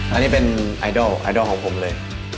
อันนี้เป็นไอดอลไอดอลของผมเลย